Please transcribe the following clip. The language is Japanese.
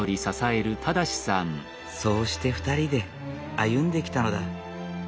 そうして２人で歩んできたのだ。